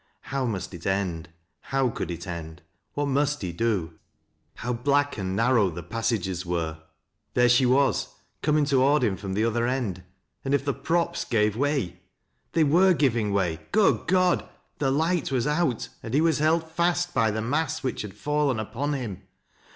How must it end ? How could it end ? What must he do ? How black and nar row the passages were ! There she was, coming toward him from the other end, — and if the props gave way 1 Tliey were giving way !— Good God ! the light was out, and h(i was held fast by the mass wliich had fallen upon him.